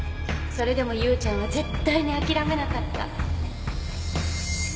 それでもユウちゃんは絶対にあきらめなかった